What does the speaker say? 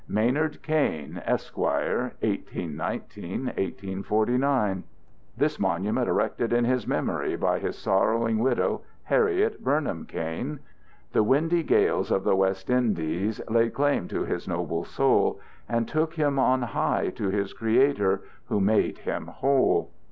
MAYNARD KAIN, ESQUIRE 1819 1849 This Monument Erected in His Memory By His Sorrowing Widow, Harriet Burnam Kain The windy Gales of the West Indias Laid claim to His Noble Soul And Took him on High to his Creator Who made him Whole.